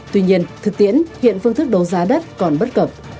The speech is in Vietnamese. tuy nhiên thực tiễn hiện phương thức đấu giá đất còn bất cập